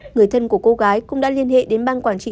người thân của cô gái cũng đã liên hệ đến ban quản trị